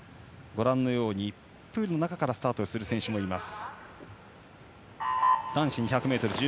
プールの中からスタートする選手もいます。